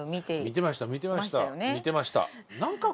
見てました。